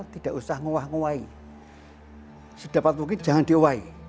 tidak usah menguah nguahi sedapat mungkin jangan diuahi